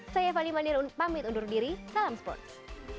saya fali manirun pamit undur diri salam sports